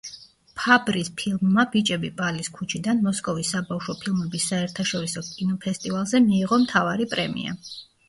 ფაბრის ფილმმა „ბიჭები პალის ქუჩიდან“ მოსკოვის საბავშვო ფილმების საერთაშორისო კინოფესტივალზე მიიღო მთავარი პრემია.